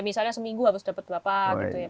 misalnya seminggu harus dapat berapa gitu ya